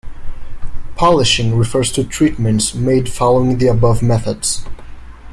Polishing refers to treatments made following the above methods.